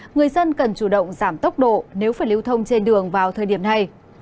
người dân cần chủ động giảm tốc độ nếu phải lưu thông trên đường vào thời điểm này